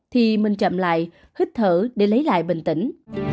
thì mình chậm lại hít thở để lấy lại bình tĩnh